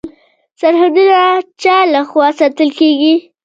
سرحدونه چا لخوا ساتل کیږي؟